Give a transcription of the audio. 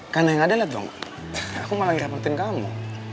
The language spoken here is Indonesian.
karena yang ada lihat dong aku malah ngirawatin kamu